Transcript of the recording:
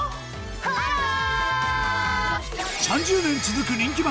ハロー！